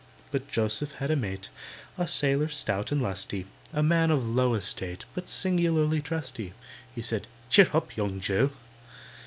But JOSEPH had a mate, A sailor stout and lusty, A man of low estate, But singularly trusty. Says he, "Cheer hup, young JOE!